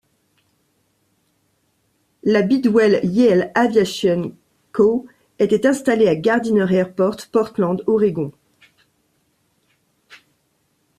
La Bidwell-Yale Aviation Co était installée à Gardiner Airport, Portland, Oregon.